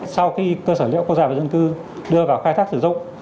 sau khi cơ sở dữ liệu quốc gia về dân cư đưa vào khai thác sử dụng